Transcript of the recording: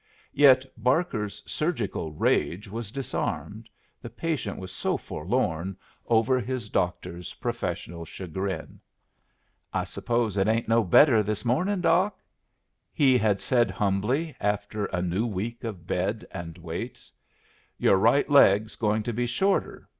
Yet Barker's surgical rage was disarmed, the patient was so forlorn over his doctor's professional chagrin. "I suppose it ain't no better this morning, Doc?" he had said, humbly, after a new week of bed and weights. "Your right leg's going to be shorter.